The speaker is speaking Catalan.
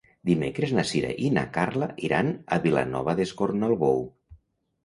Dimecres na Sira i na Carla iran a Vilanova d'Escornalbou.